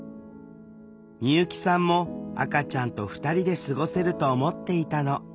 美由紀さんも赤ちゃんと２人で過ごせると思っていたの。